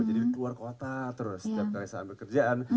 jadi keluar kota terus setiap kali saya ambil kerjaan